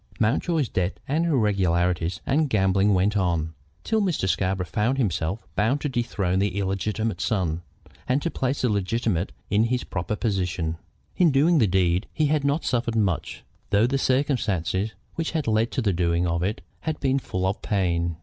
Mountjoy's debts, and irregularities, and gambling went on, till Mr. Scarborough found himself bound to dethrone the illegitimate son, and to place the legitimate in his proper position. In doing the deed he had not suffered much, though the circumstances which had led to the doing of it had been full of pain.